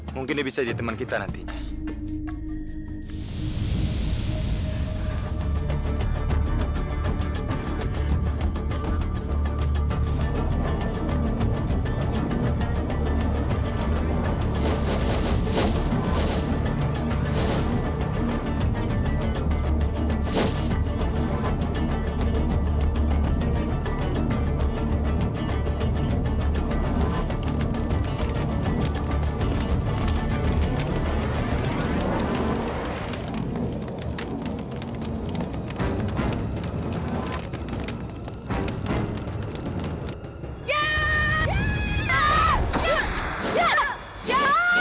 mungkin dia bisa jadi teman kita nantinya